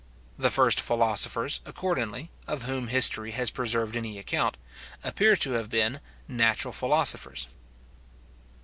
The first philosophers, accordingly, of whom history has preserved any account, appear to have been natural philosophers.